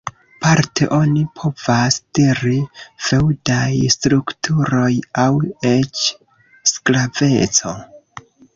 Parte oni povas diri feŭdaj strukturoj aŭ eĉ sklaveco.